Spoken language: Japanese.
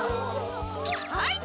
はい。